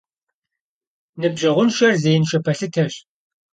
Ныбжьэгъуншэр зеиншэ пэлъытэщ.